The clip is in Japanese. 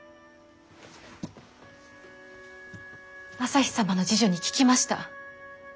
旭様の侍女に聞きました。